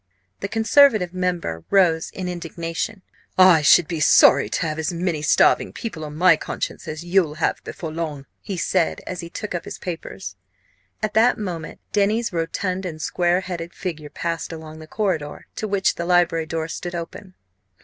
The Conservative member rose in indignation. "I should be sorry to have as many starving people on my conscience as you'll have before long!" he said as he took up his papers. At that moment Denny's rotund and square headed figure passed along the corridor, to which the library door stood open.